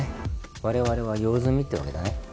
我々は用済みってわけだね。